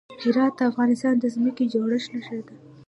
هرات د افغانستان د ځمکې د جوړښت نښه ده.